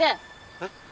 えっ？